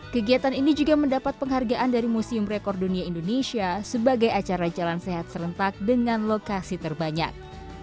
kegiatan ini juga mendapat penghargaan dari museum rekor dunia indonesia sebagai acara jalan sehat serentak dengan lokasi terbanyak